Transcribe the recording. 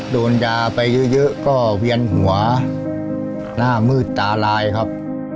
โดนยาไปเยอะก็เวียนหัวหน้ามืดตาลายครับ